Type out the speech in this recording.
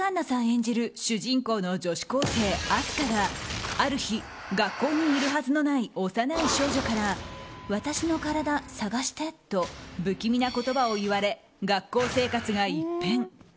演じる主人公の女子高生・明日香がある日、学校にいるはずのない幼い少女から「私のカラダ、探して」と不気味な言葉を言われ学校生活が一変。